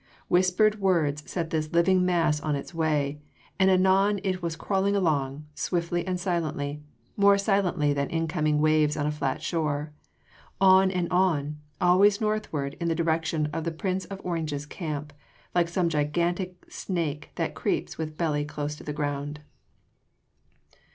Whispered words set this living mass on its way, and anon it was crawling along swiftly and silently more silently than incoming waves on a flat shore on and on, always northwards in the direction of the Prince of Orange’s camp, like some gigantic snake that creeps with belly close to the ground.